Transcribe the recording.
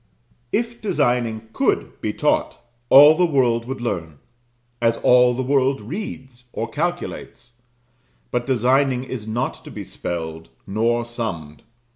If designing could be taught, all the world would learn: as all the world reads or calculates. But designing is not to be spelled, nor summed.